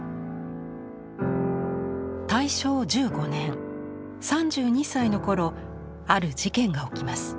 大正１５年３２歳の頃ある事件が起きます。